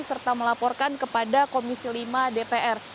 serta melaporkan kepada komisi lima dpr